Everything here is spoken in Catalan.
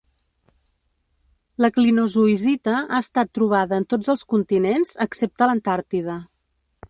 La clinozoisita ha estat trobada en tots els continents excepte l’Antàrtida.